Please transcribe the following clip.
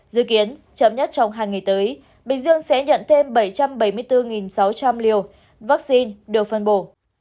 dự kiến chấm nhất trong hai ngày tới bình dương sẽ nhận thêm bảy trăm bảy mươi bốn sáu trăm linh liều vaccine được phân bổ